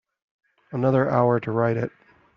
Another hour to write it.